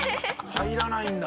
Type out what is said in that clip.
入らないんだ。